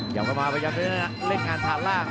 ยังมาพยายามจะเล่นงานทางล่าง